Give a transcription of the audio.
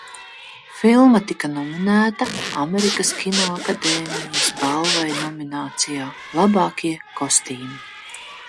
"Filma tika nominēta Amerikas Kinoakadēmijas balvai nominācijā "Labākie kostīmi"."